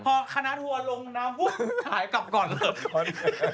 พอคณะทัวร์ลงน้ำปุ๊บถ่ายกลับก่อนแล้ว